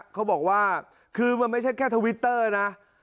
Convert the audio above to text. เขาบอกว่าคือมันไม่ใช่แค่ทวิตเตอร์นะ